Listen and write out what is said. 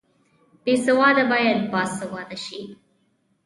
بې سواده باید باسواده شي